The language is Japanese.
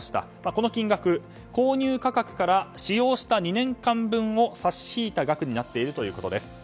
この金額、購入価格から使用した２年間分を差し引いた額になっているということです。